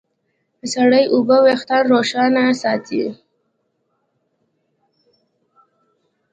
سړې اوبه وېښتيان روښانه ساتي.